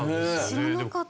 知らなかった。